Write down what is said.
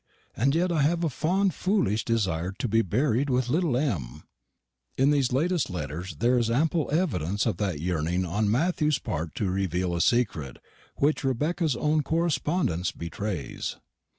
and yet I have a fonde fooleish desier to be berrid with littel M." And in these latest letters there is ample evidence of that yearning on Matthew's part to reveal a secret which Rebecca's own correspondence betrays.